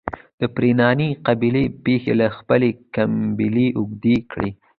د پرنیاني قبیلې پښې له خپلي کمبلي اوږدې کړي.